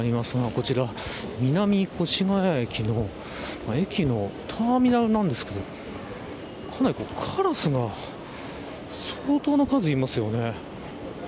こちら南越谷駅の駅のターミナルなんですけどかなり、カラスが相当な数いますよね。